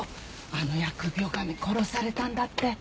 あの疫病神殺されたんだって？